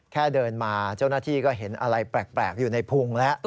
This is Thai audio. แค่เดินมาเจ้าหน้าที่ก็เห็นอะไรแปลกอยู่ในพุงแล้ว